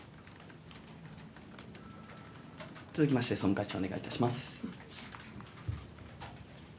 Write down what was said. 続きまして、総務会長お願いいたします。